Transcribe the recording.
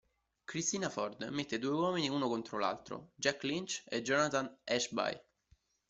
Christina Ford mette due uomini uno contro l'altro: Jack Lynch e Jonathan Ashby.